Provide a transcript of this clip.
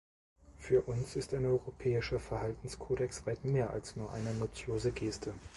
Für uns ist ein europäischer Verhaltenskodex weit mehr als nur eine nutzlose Geste.